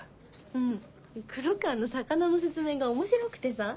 うん黒川の魚の説明が面白くてさ。